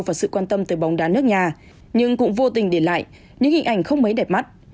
và sự quan tâm tới bóng đá nước nhà nhưng cũng vô tình để lại những hình ảnh không mấy đẹp mắt